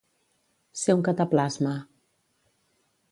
Ser un cataplasma.